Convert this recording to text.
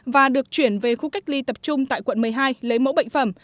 và được chuyển về khu cách ly tập trung tại quận một mươi hai lấy mẫu bệnh phẩm